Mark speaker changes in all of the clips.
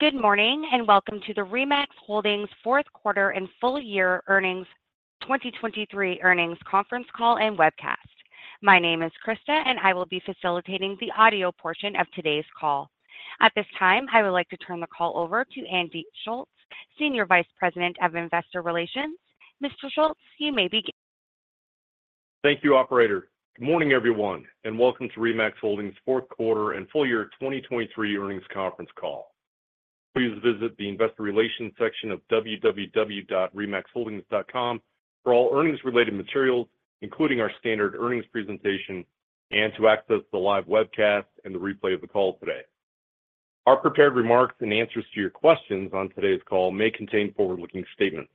Speaker 1: Good morning, and welcome to the RE/MAX Holdings fourth quarter and full year 2023 earnings conference call and webcast. My name is Krista, and I will be facilitating the audio portion of today's call. At this time, I would like to turn the call over to Andy Schulz, Senior Vice President of Investor Relations. Mr. Schulz, you may begin.
Speaker 2: Thank you, operator. Good morning, everyone, and welcome to RE/MAX Holdings fourth quarter and full year 2023 earnings conference call. Please visit the investor relations section of www.remaxholdings.com for all earnings-related materials, including our standard earnings presentation, and to access the live webcast and the replay of the call today. Our prepared remarks and answers to your questions on today's call may contain forward-looking statements.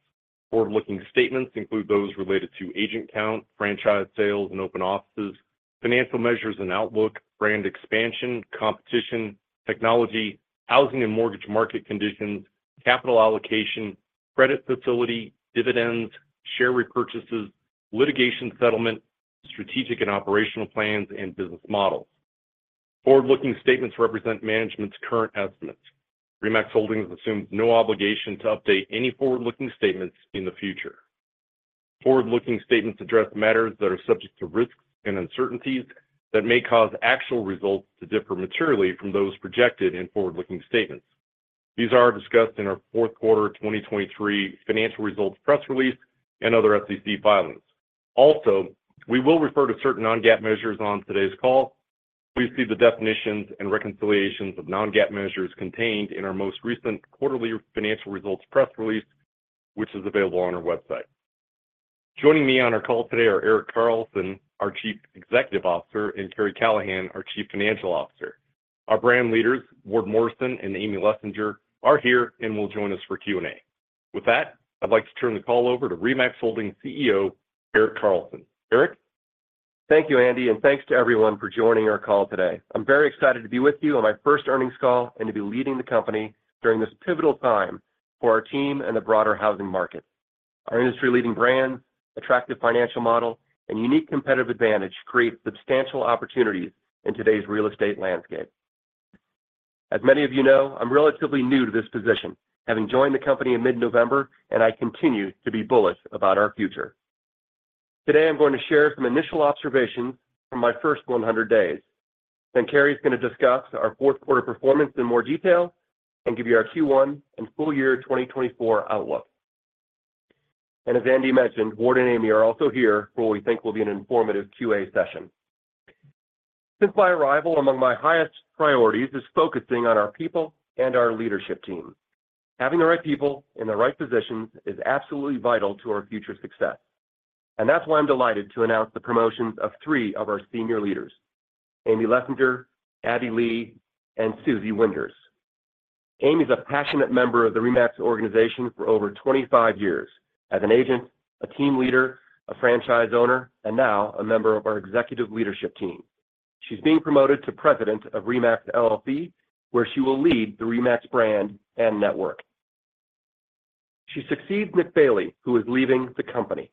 Speaker 2: Forward-looking statements include those related to agent count, franchise sales, and open offices, financial measures and outlook, brand expansion, competition, technology, housing and mortgage market conditions, capital allocation, credit facility, dividends, share repurchases, litigation settlement, strategic and operational plans, and business models. Forward-looking statements represent management's current estimates. RE/MAX Holdings assumes no obligation to update any forward-looking statements in the future. Forward-looking statements address matters that are subject to risks and uncertainties that may cause actual results to differ materially from those projected in forward-looking statements. These are discussed in our fourth quarter 2023 financial results press release and other SEC filings. Also, we will refer to certain non-GAAP measures on today's call. Please see the definitions and reconciliations of non-GAAP measures contained in our most recent quarterly financial results press release, which is available on our website. Joining me on our call today are Erik Carlson, our Chief Executive Officer, and Karri Callahan, our Chief Financial Officer. Our brand leaders, Ward Morrison and Amy Lessinger, are here and will join us for Q&A. With that, I'd like to turn the call over to RE/MAX Holdings CEO, Erik Carlson. Erik?
Speaker 3: Thank you, Andy, and thanks to everyone for joining our call today. I'm very excited to be with you on my first earnings call and to be leading the company during this pivotal time for our team and the broader housing market. Our industry-leading brand, attractive financial model, and unique competitive advantage create substantial opportunities in today's real estate landscape. As many of you know, I'm relatively new to this position, having joined the company in mid-November, and I continue to be bullish about our future. Today, I'm going to share some initial observations from my first 100 days, then Karri is gonna discuss our fourth quarter performance in more detail and give you our Q1 and full year 2024 outlook. And as Andy mentioned, Ward and Amy are also here for what we think will be an informative Q&A session. Since my arrival, among my highest priorities is focusing on our people and our leadership team. Having the right people in the right positions is absolutely vital to our future success, and that's why I'm delighted to announce the promotions of three of our senior leaders: Amy Lessinger, Abby Lee, and Susie Winders. Amy is a passionate member of the RE/MAX organization for over 25 years as an agent, a team leader, a franchise owner, and now a member of our executive leadership team. She's being promoted to President of RE/MAX, LLC, where she will lead the RE/MAX brand and network. She succeeds Nick Bailey, who is leaving the company.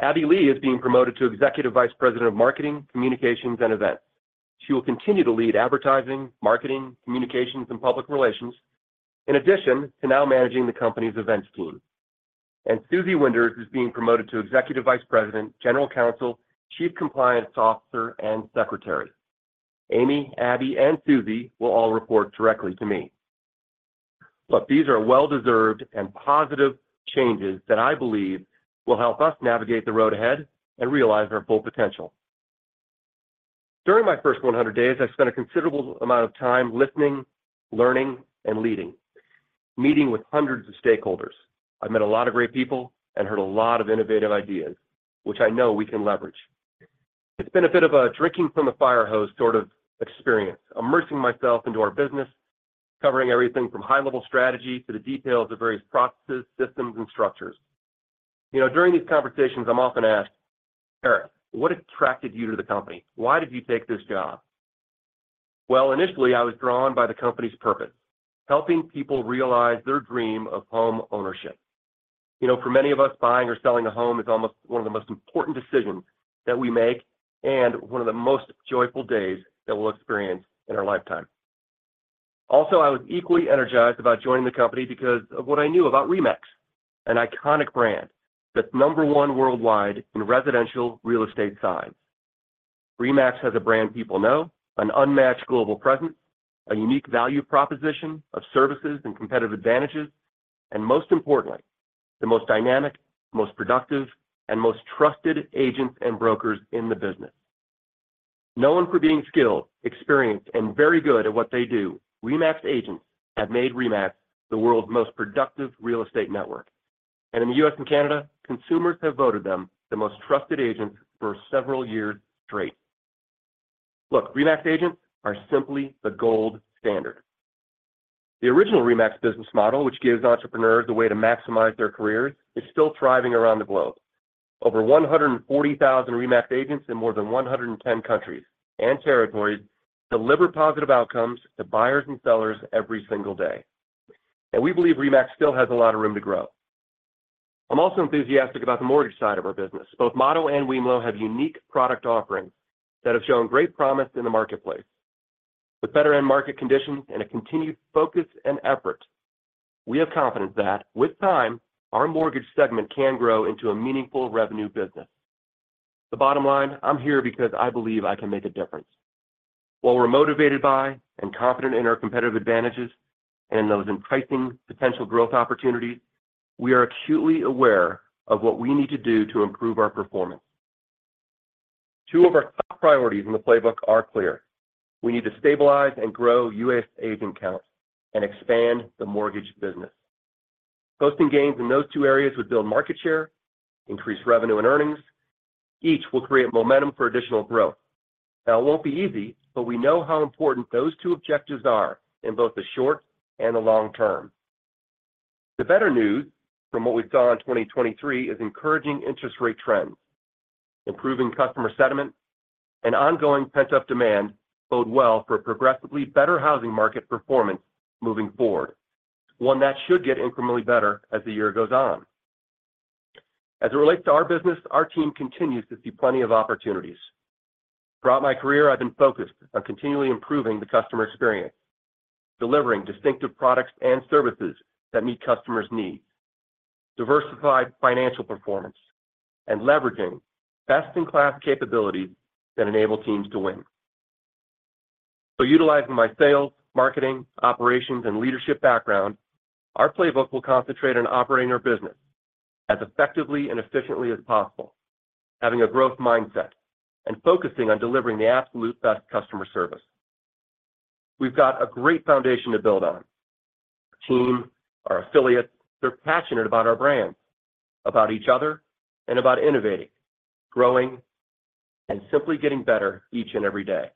Speaker 3: Abby Lee is being promoted to Executive Vice President of Marketing, Communications, and Events. She will continue to lead advertising, marketing, communications, and public relations, in addition to now managing the company's events team. Susie Winders is being promoted to Executive Vice President, General Counsel, Chief Compliance Officer, and Secretary. Amy, Abby, and Susie will all report directly to me. Look, these are well-deserved and positive changes that I believe will help us navigate the road ahead and realize our full potential. During my first 100 days, I've spent a considerable amount of time listening, learning, and leading, meeting with hundreds of stakeholders. I've met a lot of great people and heard a lot of innovative ideas, which I know we can leverage. It's been a bit of a drinking from a fire hose sort of experience, immersing myself into our business, covering everything from high-level strategy to the details of various processes, systems, and structures. You know, during these conversations, I'm often asked: "Erik, what attracted you to the company? Why did you take this job?" Well, initially, I was drawn by the company's purpose: helping people realize their dream of home ownership. You know, for many of us, buying or selling a home is almost one of the most important decisions that we make and one of the most joyful days that we'll experience in our lifetime. Also, I was equally energized about joining the company because of what I knew about RE/MAX, an iconic brand that's number one worldwide in residential real estate size. RE/MAX has a brand people know, an unmatched global presence, a unique value proposition of services and competitive advantages, and most importantly, the most dynamic, most productive, and most trusted agents and brokers in the business. Known for being skilled, experienced, and very good at what they do, RE/MAX agents have made RE/MAX the world's most productive real estate network. In the US and Canada, consumers have voted them the most trusted agents for several years straight. Look, RE/MAX agents are simply the gold standard. The original RE/MAX business model, which gives entrepreneurs a way to maximize their careers, is still thriving around the globe. Over 140,000 RE/MAX agents in more than 110 countries and territories deliver positive outcomes to buyers and sellers every single day. We believe RE/MAX still has a lot of room to grow. I'm also enthusiastic about the mortgage side of our business. Both Motto and Wemlo have unique product offerings that have shown great promise in the marketplace. With better end market conditions and a continued focus and effort, we have confidence that with time, our mortgage segment can grow into a meaningful revenue business. The bottom line, I'm here because I believe I can make a difference. While we're motivated by and confident in our competitive advantages and in those enticing potential growth opportunities, we are acutely aware of what we need to do to improve our performance. Two of our top priorities in the playbook are clear: We need to stabilize and grow U.S. agent counts and expand the mortgage business. Posting gains in those two areas would build market share, increase revenue and earnings. Each will create momentum for additional growth. Now, it won't be easy, but we know how important those two objectives are in both the short and the long term. The better news from what we saw in 2023 is encouraging interest rate trends, improving customer sentiment, and ongoing pent-up demand bode well for a progressively better housing market performance moving forward, one that should get incrementally better as the year goes on. As it relates to our business, our team continues to see plenty of opportunities. Throughout my career, I've been focused on continually improving the customer experience, delivering distinctive products and services that meet customers' needs, diversified financial performance, and leveraging best-in-class capabilities that enable teams to win. So utilizing my sales, marketing, operations, and leadership background, our playbook will concentrate on operating our business as effectively and efficiently as possible, having a growth mindset and focusing on delivering the absolute best customer service. We've got a great foundation to build on. Our team, our affiliates, they're passionate about our brands, about each other, and about innovating, growing, and simply getting better each and every day.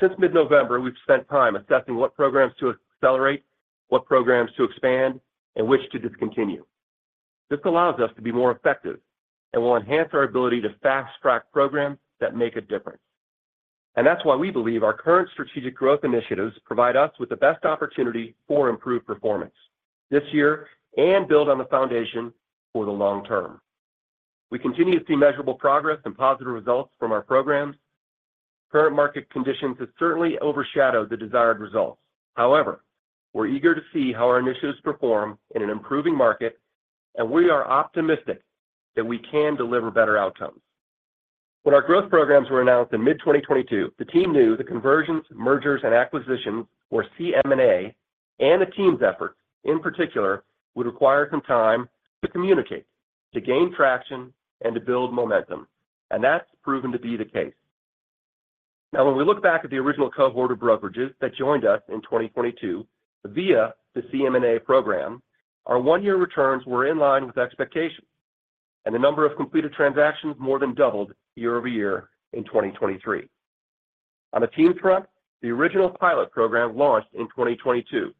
Speaker 3: Since mid-November, we've spent time assessing what programs to accelerate, what programs to expand, and which to discontinue. This allows us to be more effective and will enhance our ability to fast-track programs that make a difference. That's why we believe our current strategic growth initiatives provide us with the best opportunity for improved performance this year and build on the foundation for the long term. We continue to see measurable progress and positive results from our programs. Current market conditions have certainly overshadowed the desired results. However, we're eager to see how our initiatives perform in an improving market, and we are optimistic that we can deliver better outcomes. When our growth programs were announced in mid-2022, the team knew the conversions, mergers, and acquisitions, or CM&A, and the teams' efforts, in particular, would require some time to communicate, to gain traction, and to build momentum, and that's proven to be the case. Now, when we look back at the original cohort of brokerages that joined us in 2022 via the CM&A program, our one year returns were in line with expectations, and the number of completed transactions more than doubled year-over-year in 2023. On the team front, the original pilot program launched in 2022,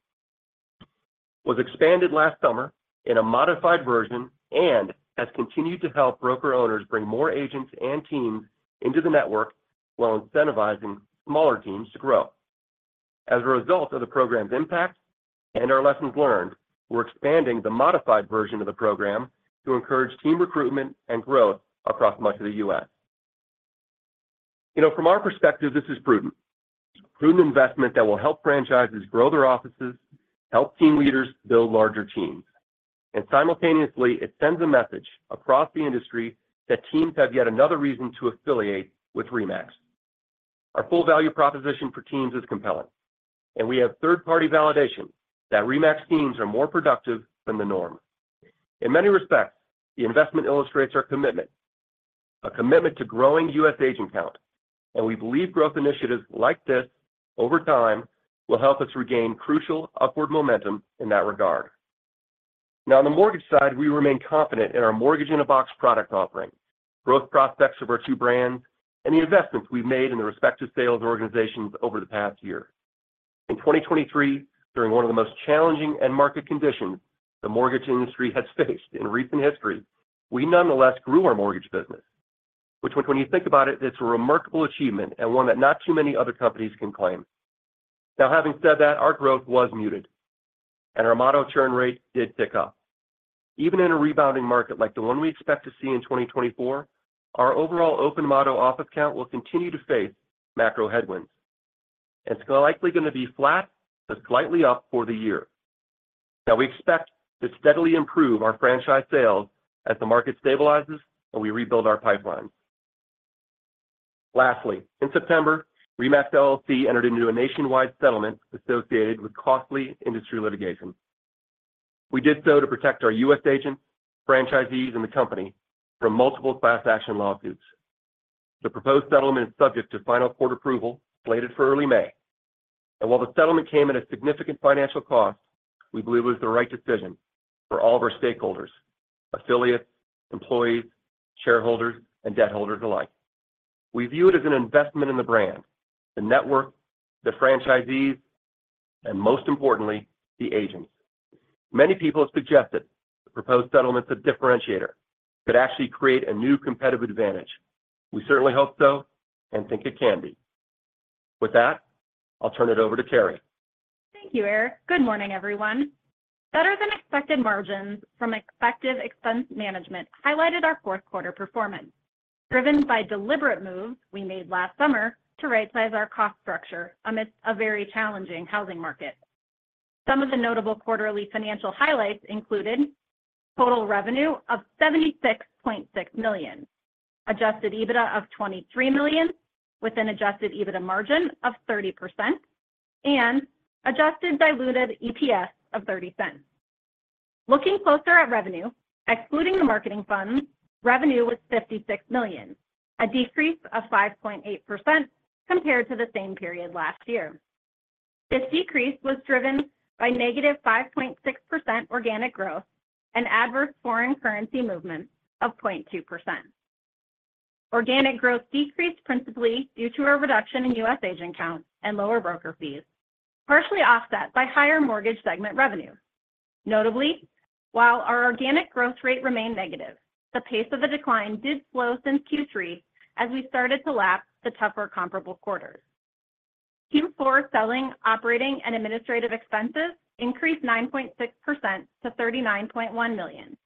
Speaker 3: was expanded last summer in a modified version and has continued to help broker owners bring more agents and teams into the network while incentivizing smaller teams to grow. As a result of the program's impact and our lessons learned, we're expanding the modified version of the program to encourage team recruitment and growth across much of the U.S. You know, from our perspective, this is prudent, a prudent investment that will help franchises grow their offices, help team leaders build larger teams, and simultaneously, it sends a message across the industry that teams have yet another reason to affiliate with RE/MAX. Our full value proposition for teams is compelling, and we have third-party validation that RE/MAX teams are more productive than the norm. In many respects, the investment illustrates our commitment, a commitment to growing U.S. agent count, and we believe growth initiatives like this, over time, will help us regain crucial upward momentum in that regard. Now, on the mortgage side, we remain confident in our Mortgage in a Box product offering, growth prospects of our two brands, and the investments we've made in the respective sales organizations over the past year. In 2023, during one of the most challenging end market conditions the mortgage industry has faced in recent history, we nonetheless grew our mortgage business, which when you think about it, it's a remarkable achievement and one that not too many other companies can claim. Now, having said that, our growth was muted and our Motto churn rate did tick up. Even in a rebounding market like the one we expect to see in 2024, our overall open Motto office count will continue to face macro headwinds. It's likely gonna be flat to slightly up for the year. Now, we expect to steadily improve our franchise sales as the market stabilizes and we rebuild our pipelines. Lastly, in September, RE/MAX LLC entered into a nationwide settlement associated with costly industry litigation. We did so to protect our U.S. agents, franchisees, and the company from multiple class action lawsuits. The proposed settlement is subject to final court approval, slated for early May. And while the settlement came at a significant financial cost, we believe it was the right decision for all of our stakeholders, affiliates, employees, shareholders, and debt holders alike. We view it as an investment in the brand, the network, the franchisees, and most importantly, the agents. Many people have suggested the proposed settlement is a differentiator, could actually create a new competitive advantage. We certainly hope so and think it can be. With that, I'll turn it over to Karri.
Speaker 4: Thank you, Erik. Good morning, everyone. Better than expected margins from effective expense management highlighted our fourth quarter performance, driven by deliberate moves we made last summer to rightsize our cost structure amidst a very challenging housing market. Some of the notable quarterly financial highlights included: total revenue of $76.6 million, Adjusted EBITDA of $23 million, with an Adjusted EBITDA margin of 30%, and adjusted diluted EPS of $0.30. Looking closer at revenue, excluding the marketing funds, revenue was $56 million, a decrease of 5.8% compared to the same period last year. This decrease was driven by -5.6% organic growth and adverse foreign currency movements of 0.2%. Organic growth decreased principally due to a reduction in U.S. agent count and lower broker fees, partially offset by higher mortgage segment revenue. Notably, while our organic growth rate remained negative, the pace of the decline did slow since Q3 as we started to lap the tougher comparable quarters. Q4 selling, operating, and administrative expenses increased 9.6% to $39.1 million,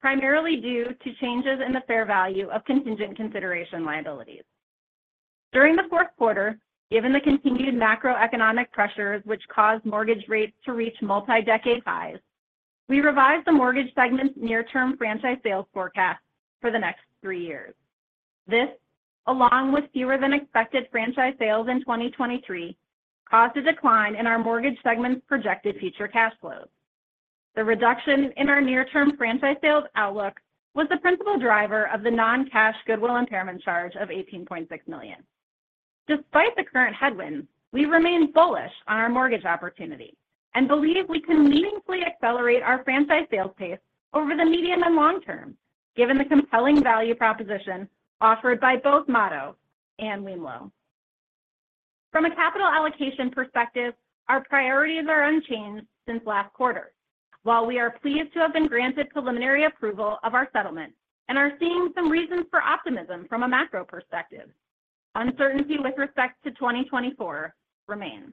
Speaker 4: primarily due to changes in the fair value of contingent consideration liabilities. During the fourth quarter, given the continued macroeconomic pressures which caused mortgage rates to reach multi-decade highs, we revised the mortgage segment's near-term franchise sales forecast for the next three years. This, along with fewer than expected franchise sales in 2023, caused a decline in our mortgage segment's projected future cash flows. The reduction in our near-term franchise sales outlook was the principal driver of the non-cash goodwill impairment charge of $18.6 million. Despite the current headwinds, we remain bullish on our mortgage opportunity and believe we can meaningfully accelerate our franchise sales pace over the medium and long term, given the compelling value proposition offered by both Motto and Wemlo. From a capital allocation perspective, our priorities are unchanged since last quarter. While we are pleased to have been granted preliminary approval of our settlement and are seeing some reasons for optimism from a macro perspective, uncertainty with respect to 2024 remains.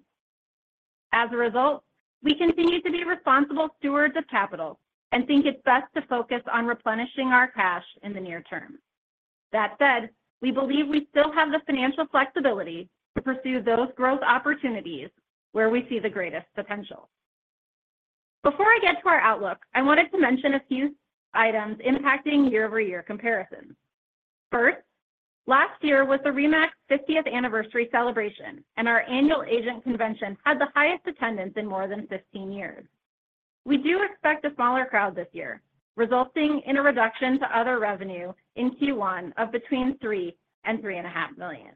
Speaker 4: As a result, we continue to be responsible stewards of capital and think it's best to focus on replenishing our cash in the near term. That said, we believe we still have the financial flexibility to pursue those growth opportunities where we see the greatest potential. Before I get to our outlook, I wanted to mention a few items impacting year-over-year comparisons. First, last year was the RE/MAX 50th anniversary celebration, and our annual agent convention had the highest attendance in more than 15 years. We do expect a smaller crowd this year, resulting in a reduction to other revenue in Q1 of between $3 million and $3.5 million.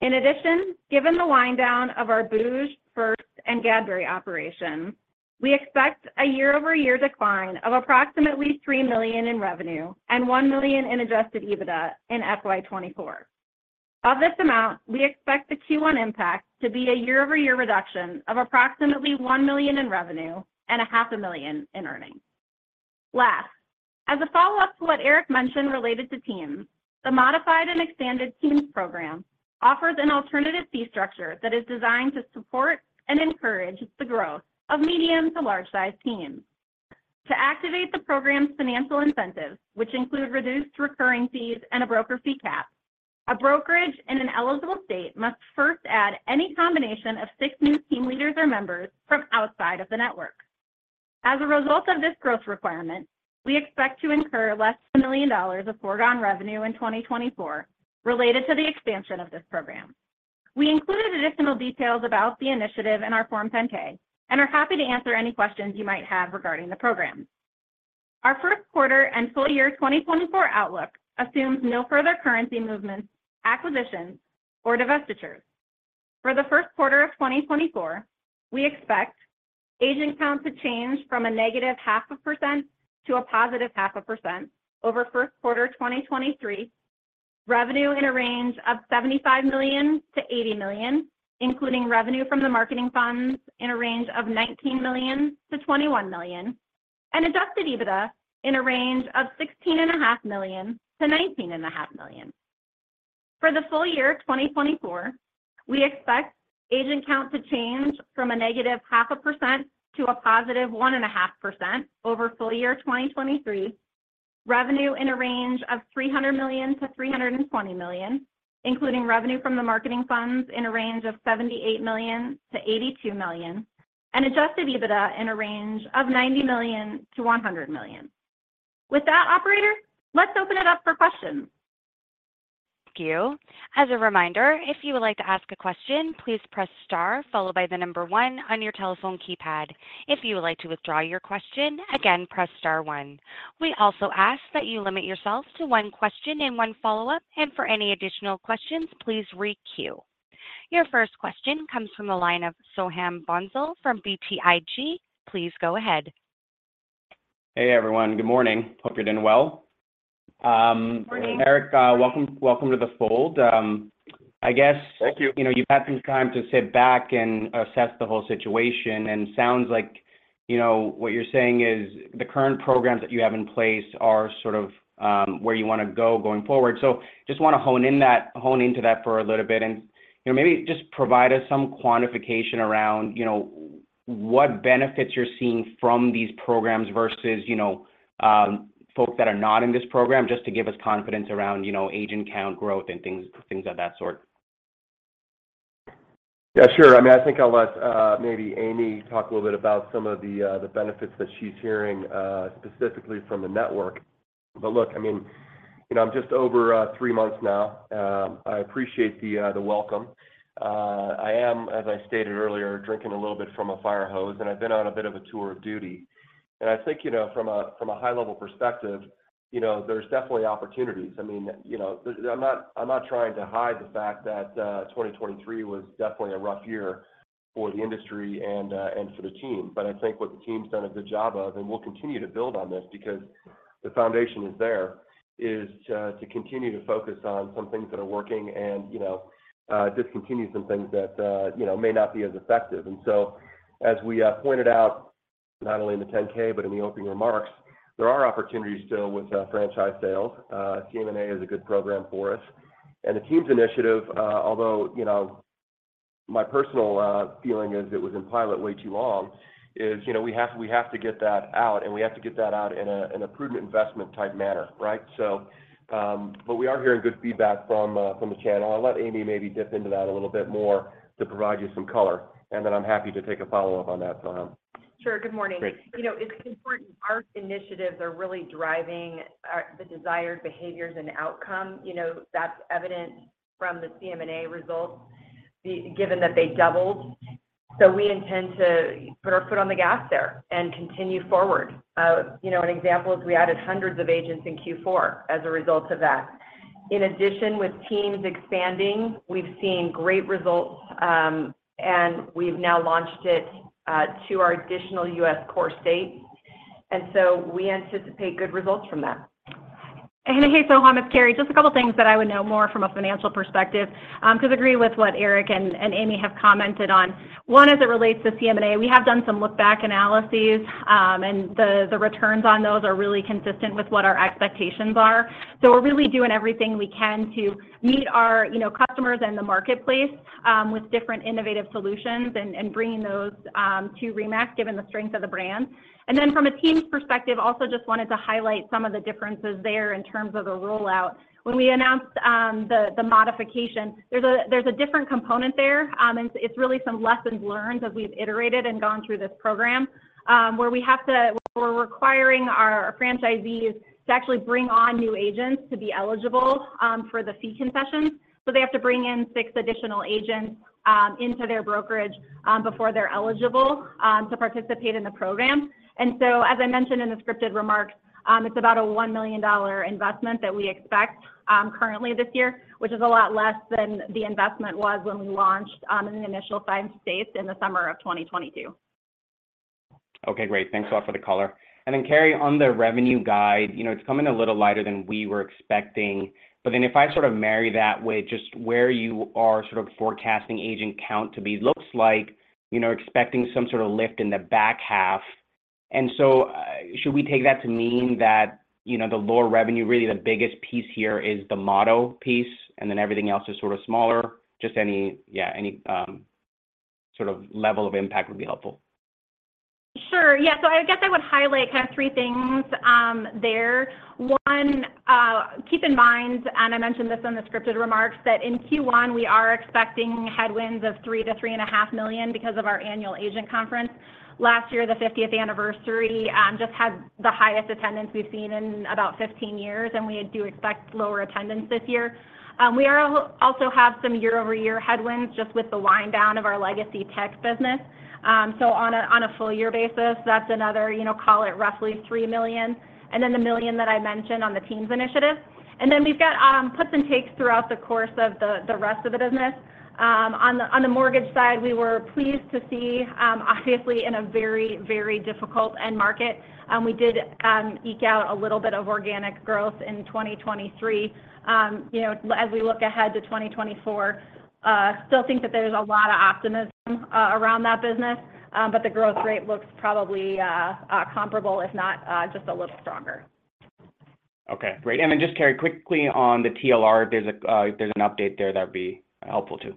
Speaker 4: In addition, given the wind down of our booj, First, and Gadberry operations, we expect a year-over-year decline of approximately $3 million in revenue and $1 million in adjusted EBITDA in FY 2024. Of this amount, we expect the Q1 impact to be a year-over-year reduction of approximately $1 million in revenue and $500,000 in earnings. Last, as a follow-up to what Erik mentioned related to teams, the modified and expanded teams program offers an alternative fee structure that is designed to support and encourage the growth of medium- to large-sized teams. To activate the program's financial incentives, which include reduced recurring fees and a broker fee cap, a brokerage in an eligible state must first add any combination of six new team leaders or members from outside of the network. As a result of this growth requirement, we expect to incur less than $1 million of foregone revenue in 2024 related to the expansion of this program. We included additional details about the initiative in our Form 10-K and are happy to answer any questions you might have regarding the program. Our first quarter and full year 2024 outlook assumes no further currency movements, acquisitions, or divestitures. For the first quarter of 2024, we expect agent count to change from -0.5% to +0.5% over first quarter 2023. Revenue in a range of $75 million-$80 million, including revenue from the marketing funds in a range of $19 million-$21 million, and Adjusted EBITDA in a range of $16.5 million-$19.5 million. For the full year 2024, we expect agent count to change from a -0.5% to a +1.5% over full year 2023. Revenue in a range of $300 million-$320 million, including revenue from the marketing funds in a range of $78 million-$82 million, and Adjusted EBITDA in a range of $90 million-$100 million. With that, operator, let's open it up for questions.
Speaker 1: Thank you. As a reminder, if you would like to ask a question, please press star followed by the number one on your telephone keypad. If you would like to withdraw your question, again, press star one. We also ask that you limit yourself to one question and one follow-up, and for any additional questions, please re-queue. Your first question comes from the line of Soham Bhonsle from BTIG. Please go ahead.
Speaker 5: Hey, everyone. Good morning. Hope you're doing well.
Speaker 4: Good morning.
Speaker 5: Erik, welcome, welcome to the fold. I guess-
Speaker 3: Thank you.
Speaker 5: You know, you've had some time to sit back and assess the whole situation, and sounds like, you know, what you're saying is the current programs that you have in place are sort of, where you wanna go going forward. So just wanna hone in that, hone into that for a little bit and, you know, maybe just provide us some quantification around, you know, what benefits you're seeing from these programs versus, you know, folks that are not in this program, just to give us confidence around, you know, agent count growth and things, things of that sort?
Speaker 3: Yeah, sure. I mean, I think I'll let maybe Amy talk a little bit about some of the benefits that she's hearing specifically from the network. But look, I mean, you know, I'm just over three months now. I appreciate the welcome. I am, as I stated earlier, drinking a little bit from a fire hose, and I've been on a bit of a tour of duty. And I think, you know, from a high level perspective, you know, there's definitely opportunities. I mean, you know, I'm not, I'm not trying to hide the fact that 2023 was definitely a rough year for the industry and for the team. But I think what the team's done a good job of, and we'll continue to build on this because the foundation is there, is to continue to focus on some things that are working and, you know, discontinue some things that, you know, may not be as effective. And so, as we pointed out, not only in the 10-K, but in the opening remarks, there are opportunities still with franchise sales. CM&A is a good program for us. And the team's initiative, although, you know, my personal feeling is it was in pilot way too long, is, you know, we have to get that out, and we have to get that out in a prudent investment type manner, right? So, but we are hearing good feedback from the channel. I'll let Amy maybe dip into that a little bit more to provide you some color, and then I'm happy to take a follow-up on that Soham.
Speaker 6: Sure. Good morning.
Speaker 3: Great.
Speaker 6: You know, it's important our initiatives are really driving the desired behaviors and outcome. You know, that's evident from the CM&A results, given that they doubled. So we intend to put our foot on the gas there and continue forward. You know, an example is we added hundreds of agents in Q4 as a result of that. In addition, with teams expanding, we've seen great results, and we've now launched it to our additional U.S. core states, and so we anticipate good results from that.
Speaker 4: And hey, Soham, it's Karri. Just a couple of things that I would know more from a financial perspective, 'cause I agree with what Erik and, and Amy have commented on. One, as it relates to CM&A, we have done some look-back analyses, and the, the returns on those are really consistent with what our expectations are. So we're really doing everything we can to meet our, you know, customers in the marketplace, with different innovative solutions and, and bringing those, to RE/MAX, given the strength of the brand. And then from a teams perspective, also just wanted to highlight some of the differences there in terms of the rollout. When we announced the modification, there's a different component there, and it's really some lessons learned as we've iterated and gone through this program, where we're requiring our franchisees to actually bring on new agents to be eligible for the fee concessions. So they have to bring in 6 additional agents into their brokerage before they're eligible to participate in the program. And so, as I mentioned in the scripted remarks, it's about a $1 million investment that we expect currently this year, which is a lot less than the investment was when we launched in the initial five states in the summer of 2022.
Speaker 5: Okay, great. Thanks a lot for the color. And then, Karri, on the revenue guide, you know, it's coming a little lighter than we were expecting. But then if I sort of marry that with just where you are sort of forecasting agent count to be, looks like, you know, expecting some sort of lift in the back half. And so, should we take that to mean that, you know, the lower revenue, really the biggest piece here is the Motto piece, and then everything else is sort of smaller? Just any sort of level of impact would be helpful.
Speaker 4: Sure. Yeah, so I guess I would highlight kind of three things there. One, keep in mind, and I mentioned this in the scripted remarks, that in Q1, we are expecting headwinds of $3 million-$3.5 million because of our annual agent conference. Last year, the 50th anniversary, just had the highest attendance we've seen in about 15 years, and we do expect lower attendance this year. We also have some year-over-year headwinds just with the wind down of our legacy tech business. So on a full year basis, that's another, you know, call it roughly $3 million, and then the $1 million that I mentioned on the teams initiative. And then we've got puts and takes throughout the course of the rest of the business. On the, on the mortgage side, we were pleased to see, obviously in a very, very difficult end market, we did eke out a little bit of organic growth in 2023. You know, as we look ahead to 2024, still think that there's a lot of optimism around that business, but the growth rate looks probably comparable, if not just a little stronger.
Speaker 5: Okay, great. And then just, Karri, quickly on the TLR, if there's an update there, that'd be helpful, too.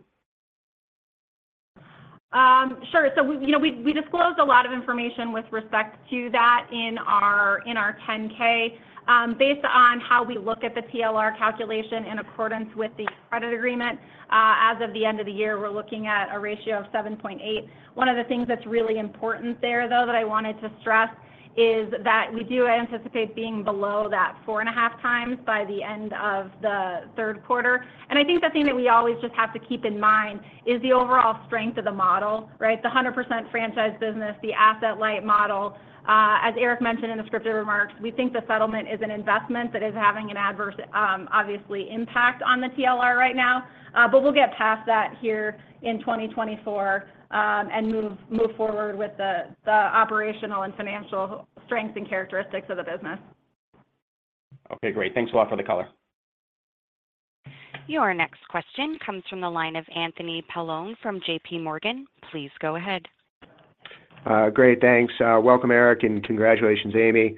Speaker 4: Sure. So, you know, we disclosed a lot of information with respect to that in our 10-K. Based on how we look at the TLR calculation in accordance with the credit agreement, as of the end of the year, we're looking at a ratio of 7.8. One of the things that's really important there, though, that I wanted to stress, is that we do anticipate being below that 4.5x by the end of the third quarter. And I think the thing that we always just have to keep in mind is the overall strength of the model, right? The 100% franchise business, the asset light model. As Eric mentioned in the scripted remarks, we think the settlement is an investment that is having an adverse, obviously, impact on the TLR right now, but we'll get past that here in 2024, and move forward with the operational and financial strength and characteristics of the business.
Speaker 5: Okay, great. Thanks a lot for the color.
Speaker 1: Your next question comes from the line of Anthony Paolone from J.P. Morgan. Please go ahead.
Speaker 7: Great, thanks. Welcome, Erik, and congratulations, Amy.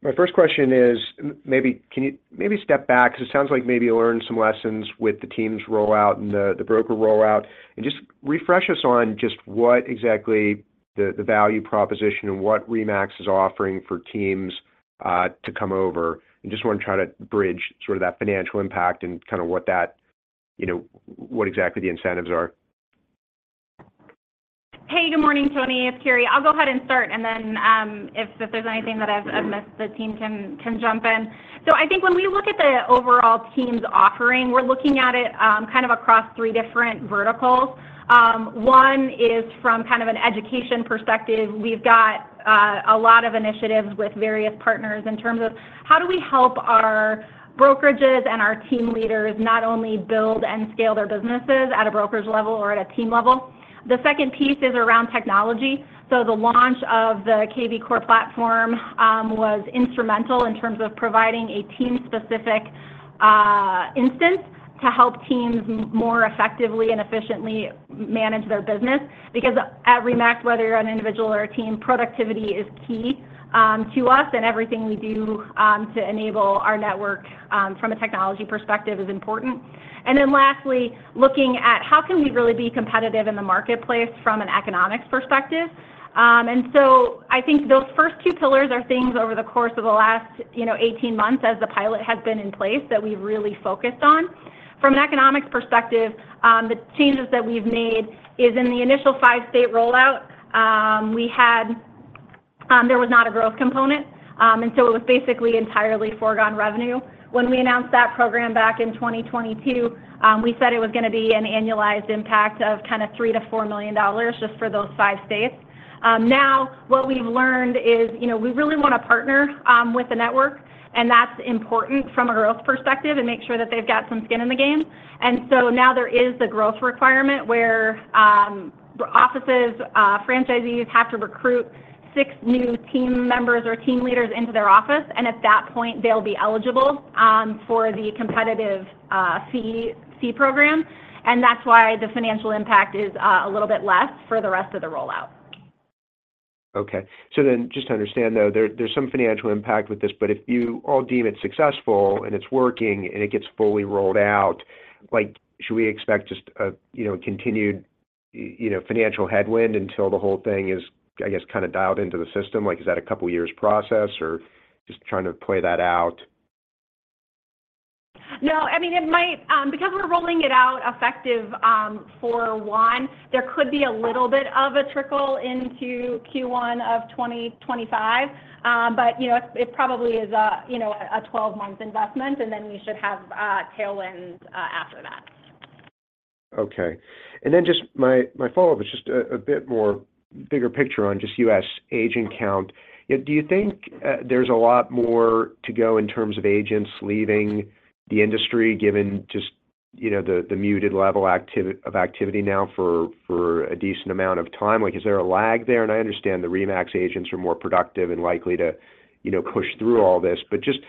Speaker 7: My first question is, maybe can you maybe step back? Because it sounds like maybe you learned some lessons with the teams rollout and the, the broker rollout. And just refresh us on just what exactly the, the value proposition and what RE/MAX is offering for teams to come over. I just want to try to bridge sort of that financial impact and kind of what that, you know, what exactly the incentives are.
Speaker 4: Hey, good morning, Tony. It's Karri. I'll go ahead and start, and then, if there's anything that I've missed, the team can jump in. So I think when we look at the overall teams offering, we're looking at it kind of across three different verticals. One is from kind of an education perspective. We've got a lot of initiatives with various partners in terms of how do we help our brokerages and our team leaders not only build and scale their businesses at a brokerage level or at a team level? The second piece is around technology. So the launch of the kvCORE platform was instrumental in terms of providing a team-specific instance to help teams more effectively and efficiently manage their business. Because at RE/MAX, whether you're an individual or a team, productivity is key, to us, and everything we do, to enable our network, from a technology perspective is important. And then lastly, looking at how can we really be competitive in the marketplace from an economics perspective? And so I think those first two pillars are things over the course of the last, you know, 18 months as the pilot has been in place, that we've really focused on. From an economics perspective, the changes that we've made is in the initial five-state rollout, we had, there was not a growth component, and so it was basically entirely foregone revenue. When we announced that program back in 2022, we said it was gonna be an annualized impact of kind of $3 million-$4 million just for those five states. Now what we've learned is, you know, we really want to partner with the network, and that's important from a growth perspective and make sure that they've got some skin in the game. So now there is a growth requirement where offices, franchisees have to recruit six new team members or team leaders into their office, and at that point, they'll be eligible for the competitive fee program. And that's why the financial impact is a little bit less for the rest of the rollout.
Speaker 7: Okay. So then just to understand, though, there, there's some financial impact with this, but if you all deem it successful and it's working and it gets fully rolled out, like, should we expect just a, you know, continued, you know, financial headwind until the whole thing is, I guess, kind of dialed into the system? Like, is that a couple of years process, or just trying to play that out?
Speaker 4: No, I mean, it might, because we're rolling it out effective, for one, there could be a little bit of a trickle into Q1 of 2025. But, you know, it, it probably is a, you know, a 12-month investment, and then we should have tailwinds after that.
Speaker 7: Okay. And then just my follow-up is just a bit more bigger picture on just U.S. agent count. Do you think there's a lot more to go in terms of agents leaving the industry, given just, you know, the muted level of activity now for a decent amount of time? Like, is there a lag there? And I understand the RE/MAX agents are more productive and likely to, you know, push through all this, but just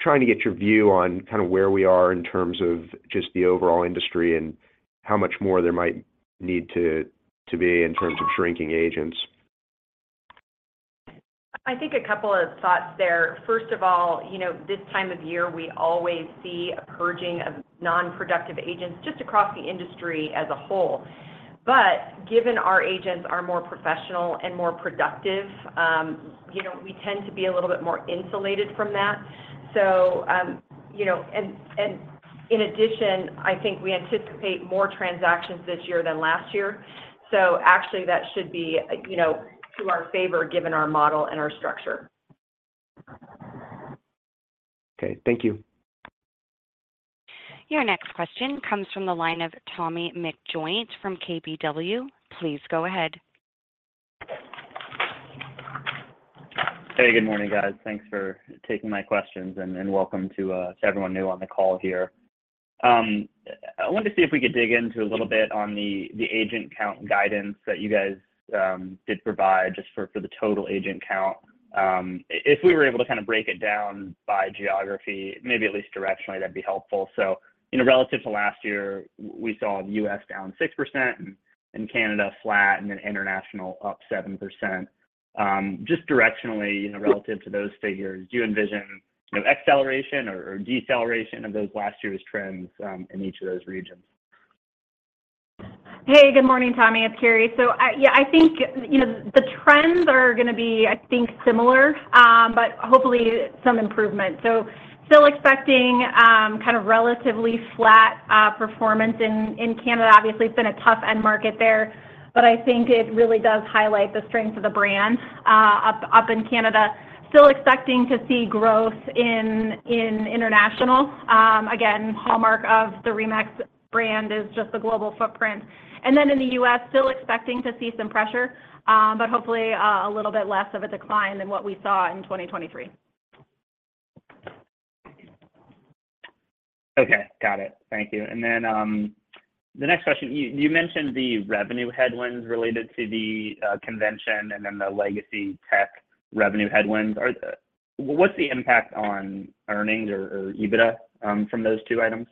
Speaker 7: trying to get your view on kind of where we are in terms of just the overall industry and how much more there might need to be in terms of shrinking agents.
Speaker 6: I think a couple of thoughts there. First of all, you know, this time of year, we always see a purging of nonproductive agents just across the industry as a whole. But given our agents are more professional and more productive, you know, we tend to be a little bit more insulated from that. So, you know, and, and in addition, I think we anticipate more transactions this year than last year. So actually, that should be, you know, to our favor, given our model and our structure.
Speaker 7: Okay, thank you.
Speaker 1: Your next question comes from the line of Tommy McJoynt from KBW. Please go ahead.
Speaker 8: Hey, good morning, guys. Thanks for taking my questions, and welcome to everyone new on the call here. I wanted to see if we could dig into a little bit on the agent count guidance that you guys did provide just for the total agent count. If we were able to kind of break it down by geography, maybe at least directionally, that'd be helpful. So in relative to last year, we saw the US down 6% and Canada flat, and then international up 7%. Just directionally, you know, relative to those figures, do you envision, you know, acceleration or deceleration of those last year's trends in each of those regions?
Speaker 4: Hey, good morning, Tommy. It's Karri. So, yeah, I think, you know, the trends are gonna be, I think, similar, but hopefully some improvement. So still expecting kind of relatively flat performance in Canada. Obviously, it's been a tough end market there, but I think it really does highlight the strength of the brand up in Canada. Still expecting to see growth in international. Again, hallmark of the RE/MAX brand is just the global footprint. And then in the U.S., still expecting to see some pressure, but hopefully a little bit less of a decline than what we saw in 2023.
Speaker 8: Okay, got it. Thank you. And then the next question: You mentioned the revenue headwinds related to the convention and then the legacy tech revenue headwinds. What's the impact on earnings or EBITDA from those two items?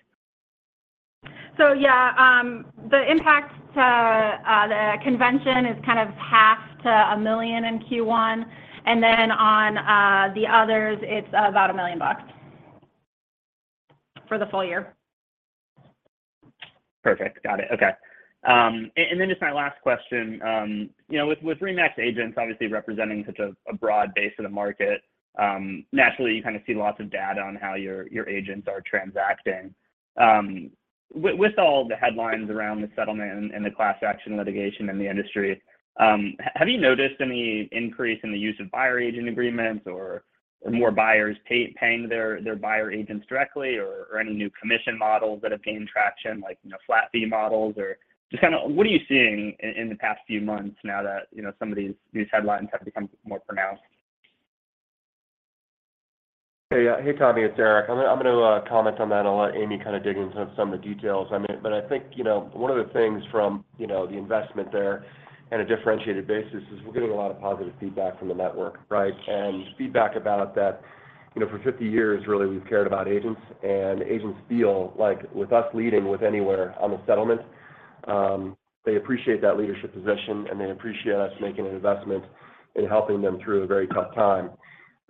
Speaker 6: So yeah, the impact to the convention is kind of $0.5 million-$1 million in Q1, and then on the others, it's about $1 million for the full year.
Speaker 8: Perfect. Got it. Okay. And then just my last question, you know, with, with RE/MAX agents obviously representing such a, a broad base of the market, naturally, you kind of see lots of data on how your, your agents are transacting. With all the headlines around the settlement and, and the class action litigation in the industry, have you noticed any increase in the use of buyer agent agreements or, or more buyers paying their, their buyer agents directly, or, or any new commission models that have gained traction, like, you know, flat fee models or just kind of what are you seeing in, in the past few months now that, you know, some of these, these headlines have become more pronounced?
Speaker 3: Hey, hey, Tommy, it's Erik. I'm gonna comment on that. I'll let Amy kind of dig into some of the details. I mean, but I think, you know, one of the things from, you know, the investment there and a differentiated basis is we're getting a lot of positive feedback from the network, right? And feedback about that, you know, for 50 years, really, we've cared about agents, and agents feel like with us leading with Anywhere on the settlement, they appreciate that leadership position, and they appreciate us making an investment in helping them through a very tough time.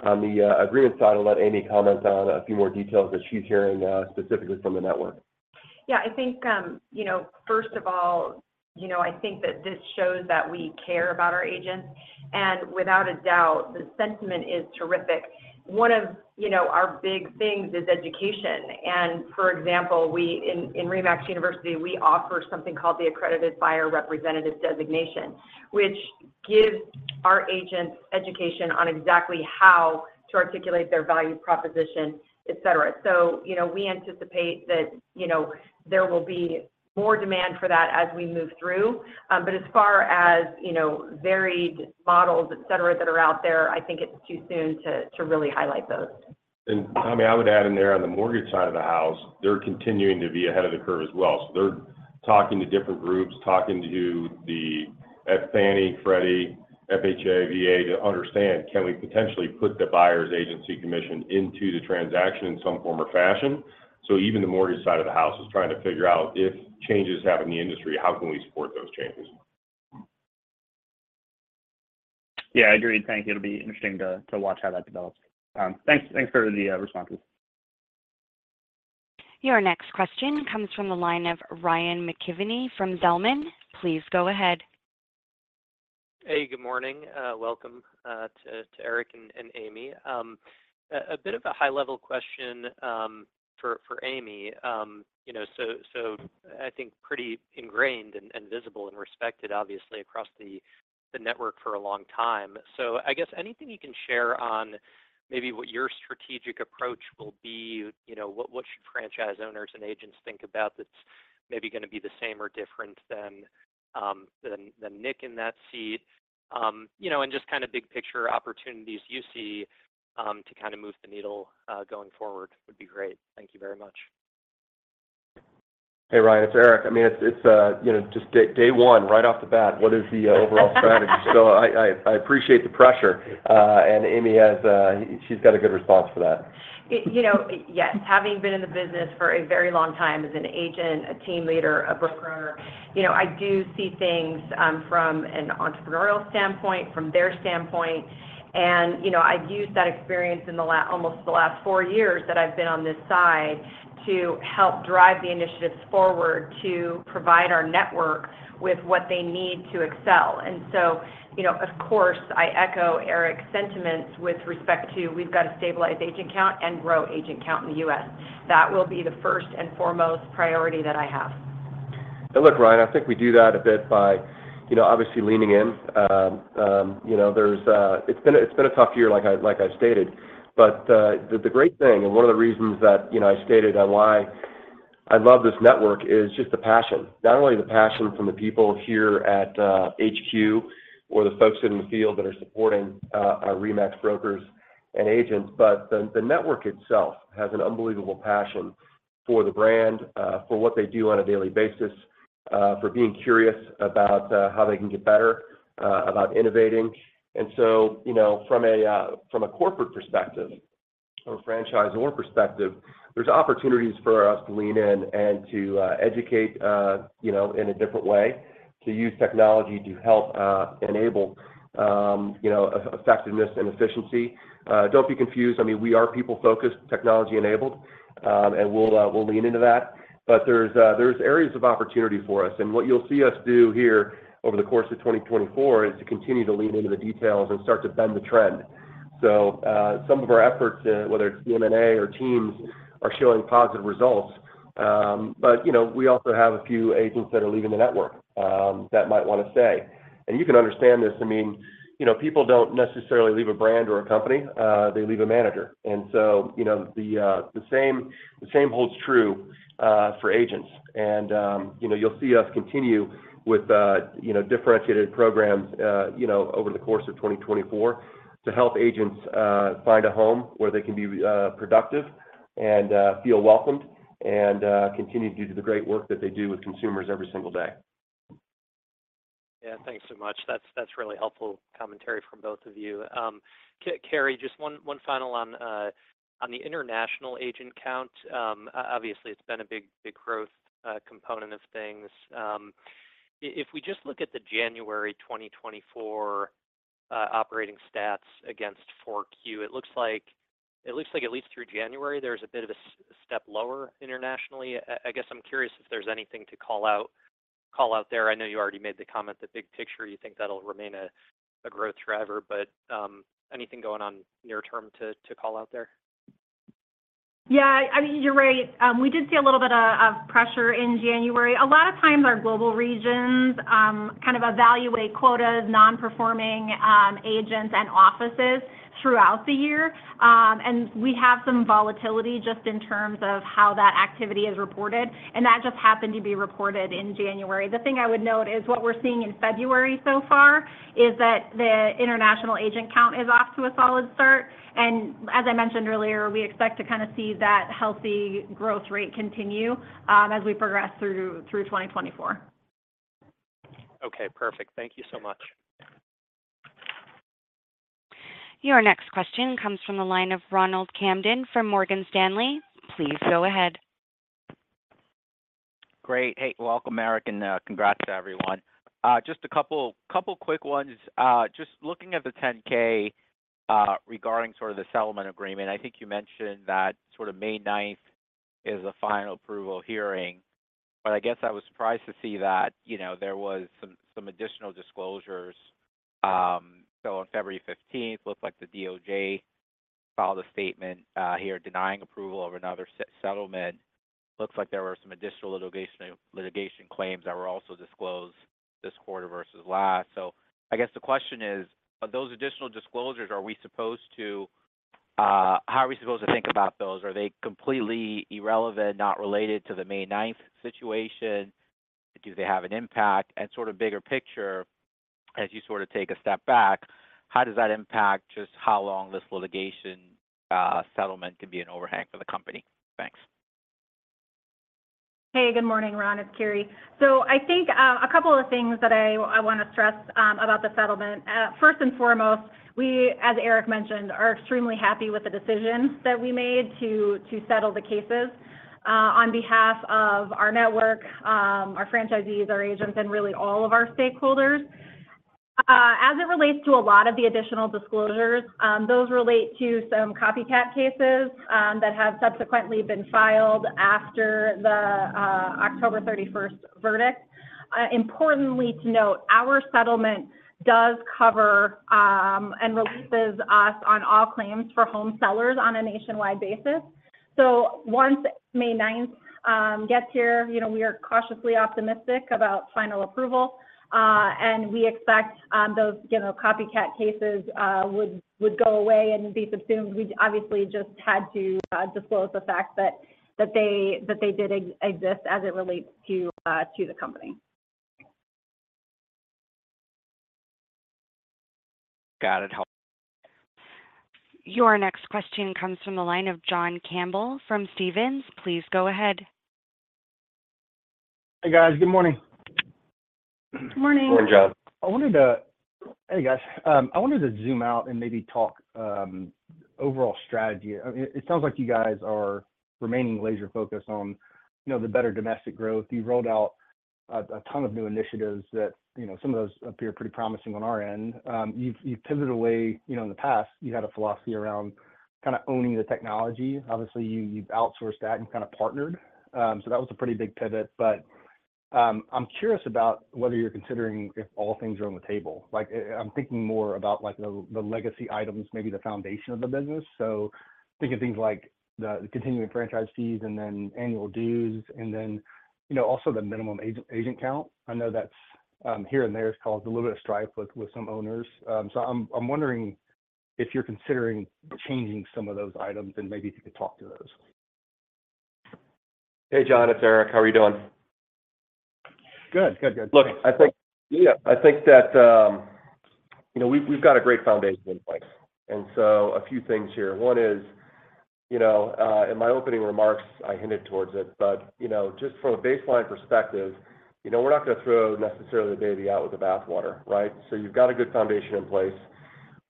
Speaker 3: On the agreement side, I'll let Amy comment on a few more details that she's hearing, specifically from the network.
Speaker 6: Yeah, I think, you know, first of all, you know, I think that this shows that we care about our agents, and without a doubt, the sentiment is terrific. One of, you know, our big things is education, and, for example, we in RE/MAX University, we offer something called the Accredited Buyer's Representative Designation, which gives our agents education on exactly how to articulate their value proposition, et cetera. So, you know, we anticipate that, you know, there will be more demand for that as we move through. But as far as, you know, varied models, et cetera, that are out there, I think it's too soon to really highlight those.
Speaker 9: Tommy, I would add in there, on the mortgage side of the house, they're continuing to be ahead of the curve as well. They're talking to different groups, talking to the Fannie, Freddie, FHA, VA, to understand, can we potentially put the buyer's agency commission into the transaction in some form or fashion? Even the mortgage side of the house is trying to figure out if changes happen in the industry, how can we support those changes?
Speaker 8: Yeah, I agree. I think it'll be interesting to watch how that develops. Thanks, thanks for the responses.
Speaker 1: Your next question comes from the line of Ryan McKeon from Zelman. Please go ahead.
Speaker 10: Hey, good morning. Welcome to Erik and Amy. A bit of a high-level question for Amy. You know, so I think pretty ingrained and visible and respected, obviously, across the network for a long time. So I guess anything you can share on maybe what your strategic approach will be? You know, what should franchise owners and agents think about that's maybe gonna be the same or different than Nick in that seat? You know, and just kind of big picture opportunities you see to kind of move the needle going forward would be great. Thank you very much.
Speaker 3: Hey, Ryan, it's Erik. I mean, it's you know, just day one, right off the bat, what is the overall strategy? So I appreciate the pressure, and Amy has She's got a good response for that.
Speaker 6: You know, yes, having been in the business for a very long time as an agent, a team leader, a broker, you know, I do see things from an entrepreneurial standpoint, from their standpoint, and, you know, I've used that experience in the last almost four years that I've been on this side, to help drive the initiatives forward, to provide our network with what they need to excel. So, you know, of course, I echo Erik's sentiments with respect to we've got to stabilize agent count and grow agent count in the U.S. That will be the first and foremost priority that I have.
Speaker 3: And look, Ryan, I think we do that a bit by, you know, obviously leaning in. You know, there's... It's been a tough year, like I've stated, but the great thing and one of the reasons that, you know, I stated on why I love this network is just the passion. Not only the passion from the people here at HQ or the folks out in the field that are supporting our RE/MAX brokers and agents, but the network itself has an unbelievable passion for the brand, for what they do on a daily basis, for being curious about how they can get better, about innovating. And so, you know, from a corporate perspective or franchisor perspective, there's opportunities for us to lean in and to educate, you know, in a different way, to use technology to help enable, you know, effectiveness and efficiency. Don't be confused, I mean, we are people-focused, technology-enabled, and we'll lean into that, but there's areas of opportunity for us. And what you'll see us do here over the course of 2024 is to continue to lean into the details and start to bend the trend. So, some of our efforts, whether it's M&A or teams, are showing positive results. But, you know, we also have a few agents that are leaving the network, that might wanna stay. You can understand this, I mean, you know, people don't necessarily leave a brand or a company, they leave a manager. And so, you know, the same holds true for agents. And, you know, you'll see us continue with, you know, differentiated programs, you know, over the course of 2024, to help agents find a home where they can be productive and feel welcomed and continue to do the great work that they do with consumers every single day.
Speaker 10: Yeah, thanks so much. That's really helpful commentary from both of you. Karri, just one final on the international agent count. Obviously, it's been a big growth component of things. If we just look at the January 2024 operating stats against 4Q, it looks like at least through January, there's a bit of a step lower internationally. I guess I'm curious if there's anything to call out there. I know you already made the comment, the big picture, you think that'll remain a growth driver, but anything going on near term to call out there?
Speaker 4: Yeah, I mean, you're right. We did see a little bit of pressure in January. A lot of times, our global regions kind of evaluate quotas, non-performing agents and offices throughout the year. And we have some volatility just in terms of how that activity is reported, and that just happened to be reported in January. The thing I would note is what we're seeing in February so far is that the international agent count is off to a solid start, and as I mentioned earlier, we expect to kind of see that healthy growth rate continue as we progress through 2024.
Speaker 10: Okay, perfect. Thank you so much.
Speaker 1: Your next question comes from the line of Ronald Kamdem from Morgan Stanley. Please go ahead.
Speaker 11: Great. Hey, welcome, Erik, and congrats to everyone. Just a couple quick ones. Just looking at the 10-K, regarding sort of the settlement agreement, I think you mentioned that sort of May ninth is the final approval hearing. But I guess I was surprised to see that, you know, there was some additional disclosures. So on February fifteenth, looked like the DOJ filed a statement here, denying approval of another settlement. Looks like there were some additional litigation claims that were also disclosed this quarter versus last. So I guess the question is, are those additional disclosures, are we supposed to... how are we supposed to think about those? Are they completely irrelevant, not related to the May ninth situation? Do they have an impact? Sort of bigger picture, as you sort of take a step back, how does that impact just how long this litigation settlement can be an overhang for the company? Thanks.
Speaker 4: Hey, good morning, Ron. It's Karri. So I think a couple of things that I wanna stress about the settlement. First and foremost, we, as Erik mentioned, are extremely happy with the decisions that we made to settle the cases on behalf of our network, our franchisees, our agents, and really all of our stakeholders. As it relates to a lot of the additional disclosures, those relate to some copycat cases that have subsequently been filed after the October 31st verdict. Importantly to note, our settlement does cover and releases us on all claims for home sellers on a nationwide basis. So once May 9th gets here, you know, we are cautiously optimistic about final approval, and we expect those, you know, copycat cases would go away and be subsumed. We obviously just had to disclose the fact that they did exist as it relates to the company.
Speaker 11: Got it.
Speaker 1: Your next question comes from the line of John Campbell from Stephens. Please go ahead.
Speaker 12: Hey, guys. Good morning.
Speaker 4: Good morning.
Speaker 3: Good morning, John.
Speaker 12: Hey, guys. I wanted to zoom out and maybe talk overall strategy. I mean, it sounds like you guys are remaining laser-focused on, you know, the better domestic growth. You've rolled out a ton of new initiatives that, you know, some of those appear pretty promising on our end. You've pivoted away, you know, in the past, you had a philosophy around kind of owning the technology. Obviously, you've outsourced that and kind of partnered. So that was a pretty big pivot. But I'm curious about whether you're considering if all things are on the table. Like, I'm thinking more about, like, the legacy items, maybe the foundation of the business. So thinking things like the continuing franchise fees and then annual dues, and then, you know, also the minimum agent count. I know that's here and there has caused a little bit of strife with some owners. So I'm wondering if you're considering changing some of those items, and maybe if you could talk to those.
Speaker 3: Hey, John, it's Erik. How are you doing?
Speaker 12: Good. Good, good.
Speaker 3: Look, I think, yeah, I think that, you know, we've got a great foundation in place, and so a few things here. One is, you know, in my opening remarks, I hinted towards it, but, you know, just from a baseline perspective, you know, we're not gonna throw necessarily the baby out with the bathwater, right? So you've got a good foundation in place.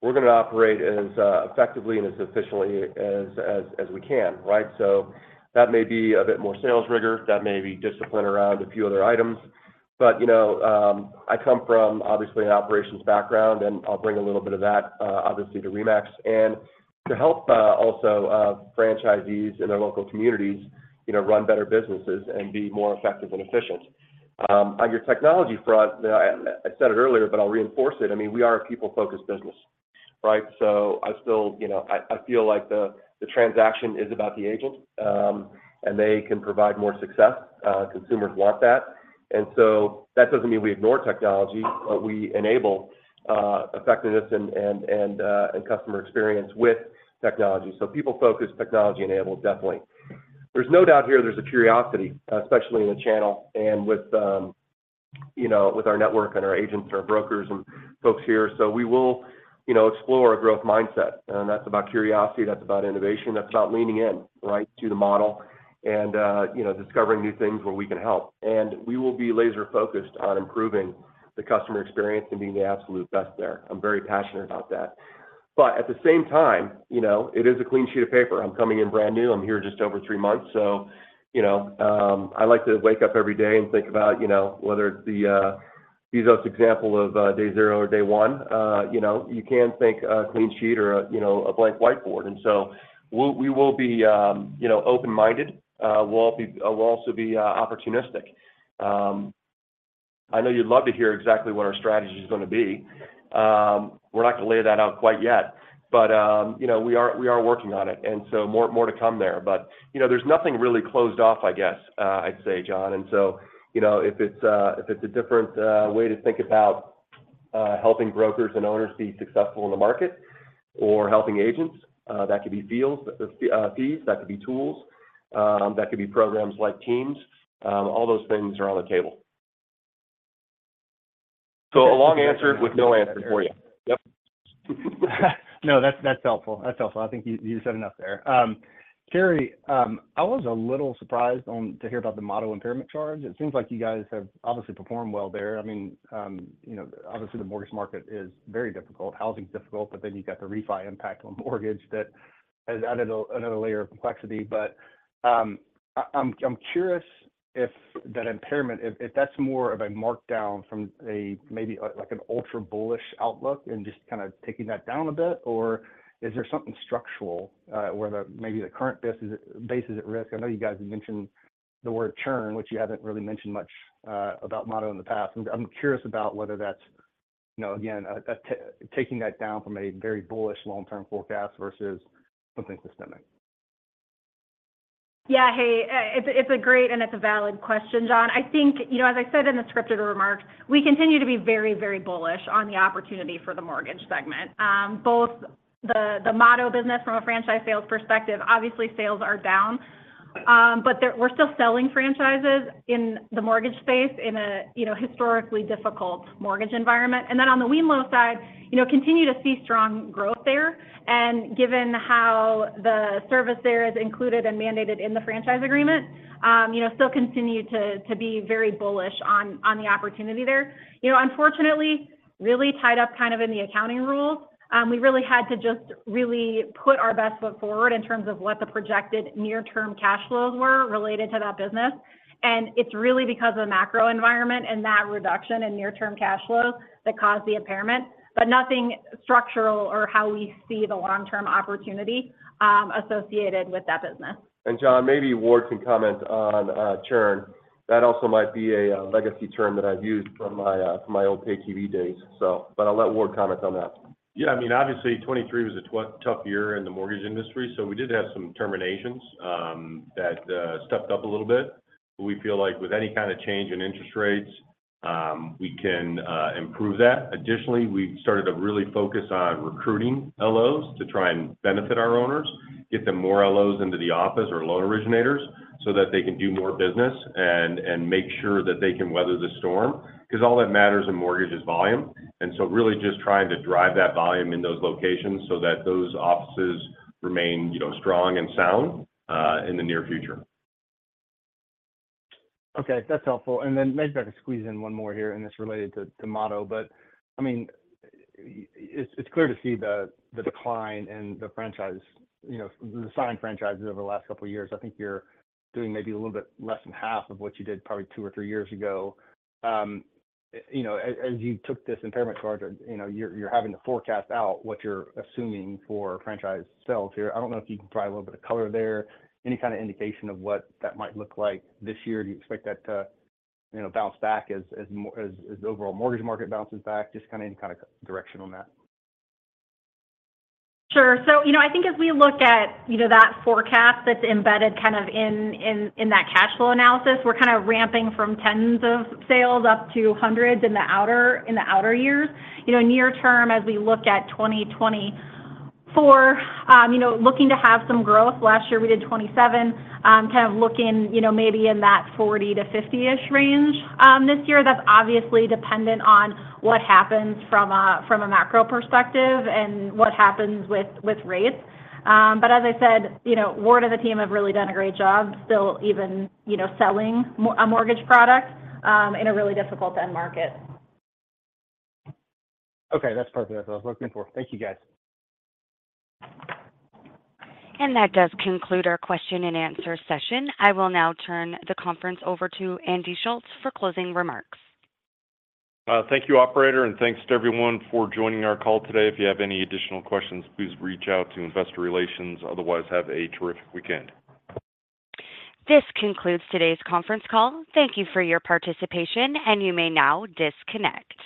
Speaker 3: We're gonna operate as effectively and as efficiently as we can, right? So that may be a bit more sales rigor. That may be discipline around a few other items. But, you know, I come from, obviously, an operations background, and I'll bring a little bit of that, obviously, to RE/MAX. And to help, also, franchisees in their local communities, you know, run better businesses and be more effective and efficient. On your technology front, I said it earlier, but I'll reinforce it: I mean, we are a people-focused business, right? So I still, you know, I feel like the transaction is about the agent, and they can provide more success. Consumers want that. And so that doesn't mean we ignore technology, but we enable effectiveness and customer experience with technology. So people-focused, technology-enabled, definitely. There's no doubt here there's a curiosity, especially in the channel and with, you know, with our network and our agents and our brokers and folks here. So we will, you know, explore a growth mindset, and that's about curiosity, that's about innovation, that's about leaning in, right, to the model and, you know, discovering new things where we can help. We will be laser-focused on improving the customer experience and being the absolute best there. I'm very passionate about that. But at the same time, you know, it is a clean sheet of paper. I'm coming in brand new. I'm here just over three months, so, you know, I like to wake up every day and think about, you know, whether it's using the example of day zero or day one. You know, you can think of a clean sheet or a blank whiteboard. And so we will be, you know, open-minded. We'll also be opportunistic. I know you'd love to hear exactly what our strategy is gonna be. We're not gonna lay that out quite yet, but you know, we are, we are working on it, and so more to come there. But you know, there's nothing really closed off, I guess, I'd say, John. And so you know, if it's a different way to think about helping brokers and owners be successful in the market or helping agents, that could be deals, fees, that could be tools, that could be programs like teams, all those things are on the table. So a long answer with no answer for you. Yep.
Speaker 12: No, that's helpful. That's helpful. I think you said enough there. Karri, I was a little surprised to hear about the Motto impairment charge. It seems like you guys have obviously performed well there. I mean, you know, obviously, the mortgage market is very difficult. Housing is difficult, but then you've got the refi impact on mortgage that has added another layer of complexity. But, I'm curious if that impairment, if that's more of a markdown from a maybe, like an ultra bullish outlook and just kinda taking that down a bit, or is there something structural, where maybe the current business basis at risk? I know you guys have mentioned the word churn, which you haven't really mentioned much about Motto in the past. I'm curious about whether that's, you know, again, taking that down from a very bullish long-term forecast versus something systemic.
Speaker 4: Yeah, hey, it's a great and it's a valid question, John. I think, you know, as I said in the scripted remarks, we continue to be very, very bullish on the opportunity for the mortgage segment. Both the Motto business from a franchise sales perspective, obviously, sales are down, but they're we're still selling franchises in the mortgage space, in a, you know, historically difficult mortgage environment. And then on the Wemlo side, you know, continue to see strong growth there. And given how the service there is included and mandated in the franchise agreement, you know, still continue to be very bullish on the opportunity there. You know, unfortunately, really tied up kind of in the accounting rules. We really had to just really put our best foot forward in terms of what the projected near-term cash flows were related to that business. It's really because of the macro environment and that reduction in near-term cash flows that caused the impairment, but nothing structural or how we see the long-term opportunity associated with that business.
Speaker 3: John, maybe Ward can comment on churn. That also might be a legacy term that I've used from my old pay TV days. So, but I'll let Ward comment on that.
Speaker 9: Yeah, I mean, obviously, 2023 was a tough year in the mortgage industry, so we did have some terminations that stepped up a little bit. But we feel like with any kinda change in interest rates, we can improve that. Additionally, we started to really focus on recruiting LOs to try and benefit our owners, get them more LOs into the office or loan originators, so that they can do more business and make sure that they can weather the storm, 'cause all that matters in mortgage is volume. And so really just trying to drive that volume in those locations so that those offices remain, you know, strong and sound in the near future.
Speaker 12: Okay, that's helpful. And then maybe I can squeeze in one more here, and it's related to Motto. But, I mean, it's clear to see the decline in the franchise, you know, the signed franchises over the last couple of years. I think you're doing maybe a little bit less than half of what you did, probably two or three years ago. You know, as you took this impairment charge, you know, you're having to forecast out what you're assuming for franchise sales here. I don't know if you can provide a little bit of color there, any kinda indication of what that might look like this year. Do you expect that to, you know, bounce back as the overall mortgage market bounces back? Just kinda any kinda direction on that.
Speaker 4: Sure. So, you know, I think as we look at, you know, that forecast that's embedded kind of in that cash flow analysis, we're kinda ramping from tens of sales up to hundreds in the outer years. You know, near term, as we look at 2024, looking to have some growth. Last year, we did 27, kind of looking, you know, maybe in that 40 to 50-ish range, this year. That's obviously dependent on what happens from a macro perspective and what happens with rates. But as I said, you know, Ward and the team have really done a great job still even, you know, selling a mortgage product, in a really difficult end market.
Speaker 12: Okay, that's perfect. That's what I was looking for. Thank you, guys.
Speaker 1: That does conclude our question and answer session. I will now turn the conference over to Andy Schulz for closing remarks.
Speaker 2: Thank you, operator, and thanks to everyone for joining our call today. If you have any additional questions, please reach out to investor relations. Otherwise, have a terrific weekend.
Speaker 1: This concludes today's conference call. Thank you for your participation, and you may now disconnect.